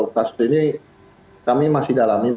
kasus ini kami masih dalami